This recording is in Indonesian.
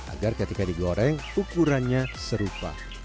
agar ketika digoreng ukurannya serupa